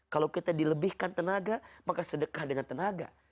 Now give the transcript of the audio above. kalau kita dilebihkan tenaga maka sedekah dengan tenaga